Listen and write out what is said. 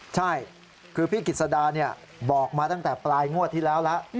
ใช่คือพี่กิจสดาบอกมาตั้งแต่ปลายงวดที่แล้วแล้ว